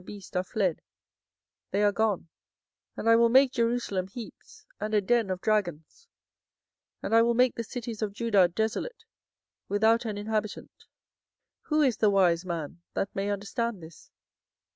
24:009:011 And I will make Jerusalem heaps, and a den of dragons; and I will make the cities of Judah desolate, without an inhabitant. 24:009:012 Who is the wise man, that may understand this?